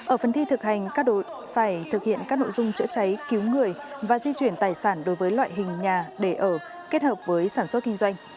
ở phần thi thực hành các đội phải thực hiện các nội dung chữa cháy cứu người và di chuyển tài sản đối với loại hình nhà để ở kết hợp với sản xuất kinh doanh